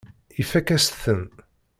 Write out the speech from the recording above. Ifakk-as-ten.